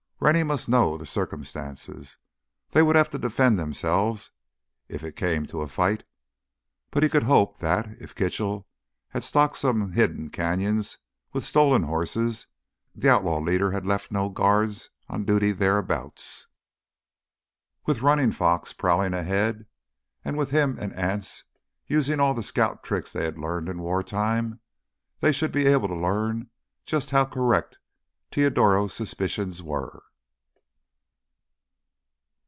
Rennie must know the circumstances. They would have to defend themselves if it came to a fight. But he could hope that, if Kitchell had stocked some hidden canyons with stolen horses, the outlaw leader had left no guards on duty thereabouts. With Running Fox prowling ahead and with him and Anse using all the scout tricks they had learned in war time, they should be able to learn just how correct Teodoro's suspicions were.